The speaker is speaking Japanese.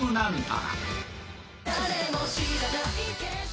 「誰も知らない景色」